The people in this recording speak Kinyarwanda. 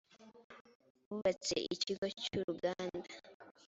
bubatse ikigo cy’ uruganda .